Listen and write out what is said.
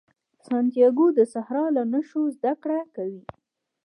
سانتیاګو د صحرا له نښو زده کړه کوي.